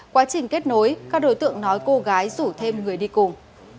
quá trình kết nối các đối tượng nói cô gái rủ thêm người đi cùng